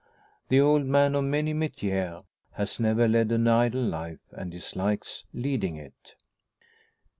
The old man of many metiers has never led an idle life, and dislikes leading it.